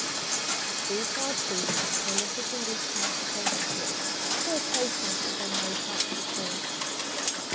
] The seaside season is prolific in these chance acquaintanceships "flirtations," as they may perhaps be called.